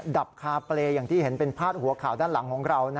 ดับคาเปรย์อย่างที่เห็นเป็นพาดหัวข่าวด้านหลังของเรา